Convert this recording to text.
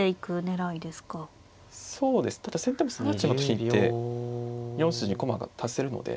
ただ先手も３八馬と引いて４筋駒が足せるので。